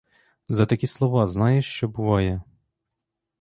За такі слова знаєш що буває?